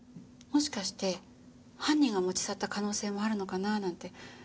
もしかして犯人が持ち去った可能性もあるのかななんて。